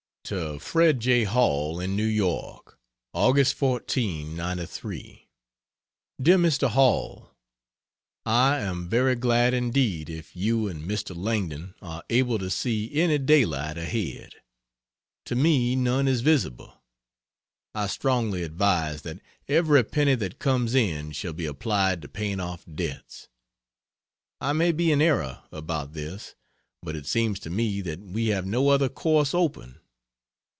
To Fred J. Hall, in New York: Aug. 14, '93 DEAR MR. HALL, I am very glad indeed if you and Mr. Langdon are able to see any daylight ahead. To me none is visible. I strongly advise that every penny that comes in shall be applied to paying off debts. I may be in error about this, but it seems to me that we have no other course open.